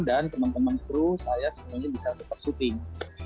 dan teman teman kru saya sebenarnya bisa tetap syuting